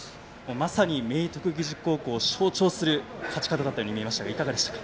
まさに明徳義塾高校を象徴する勝ち方だったように見えましたけどいかがでしたか。